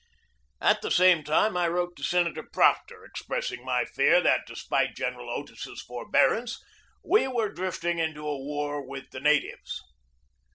At the same time I wrote to Senator Proctor, ex pressing my fear that, despite General Otis's forbear ance, we were drifting into a war with the natives.